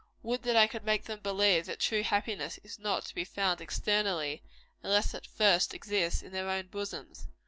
Would that I could make them believe that true happiness is not to be found externally, unless it first exist in their own bosoms!